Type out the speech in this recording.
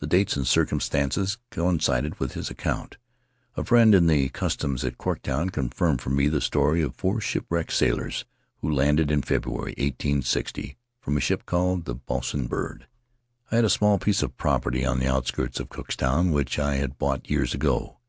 The dates and circumstances coincided with his account. A friend in the customs at Cooktown confirmed for me the story of four shipwrecked sailors who landed in February, eighteen sixty, from a ship called the Bosun Bird. I had a small piece of property on the outskirts of Cooktown which I had bought years ago.